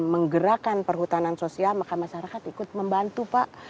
menggerakkan perhutanan sosial maka masyarakat ikut membantu pak